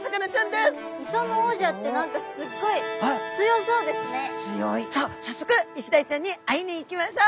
さっそくイシダイちゃんに会いに行きましょう！